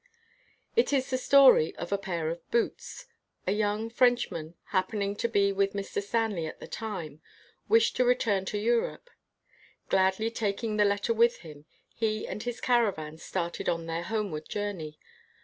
It is the story of a pair of boots. A young Frenchman, happening to be with Mr. Stanley at the time, wished to return to Europe. Gladly taking the letter with him, he and his caravan started on their home ward journey.